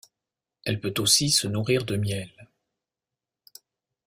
Elle peut aussi se nourrir de miel.